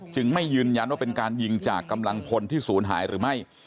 ไม่ยืนยันว่าเป็นการยิงจากกำลังพลที่ศูนย์หายหรือไม่